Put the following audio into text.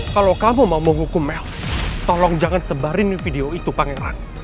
kalau kamu mau menghukum melk tolong jangan sebarin video itu pangeran